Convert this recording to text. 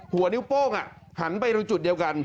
หัวนิ้วโป้งหันไปตรงจุดเดียวกัน